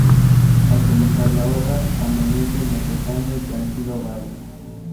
Al comenzar la obra amanece en el lozano y tranquilo valle.